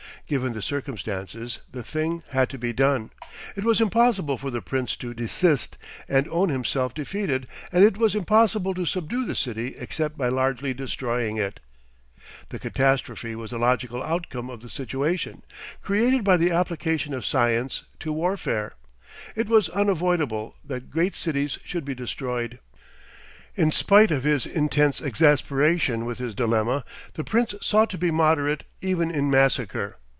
Given the circumstances, the thing had to be done. It was impossible for the Prince to desist, and own himself defeated, and it was impossible to subdue the city except by largely destroying it. The catastrophe was the logical outcome of the situation, created by the application of science to warfare. It was unavoidable that great cities should be destroyed. In spite of his intense exasperation with his dilemma, the Prince sought to be moderate even in massacre.